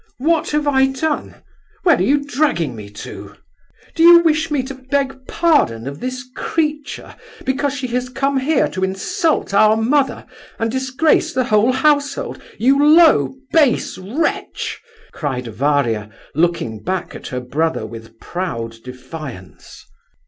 "What have I done? Where are you dragging me to?" "Do you wish me to beg pardon of this creature because she has come here to insult our mother and disgrace the whole household, you low, base wretch?" cried Varia, looking back at her brother with proud defiance.